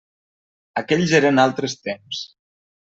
Aquells eren altres temps.